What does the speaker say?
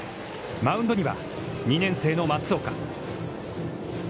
マウンドには２年生の松岡。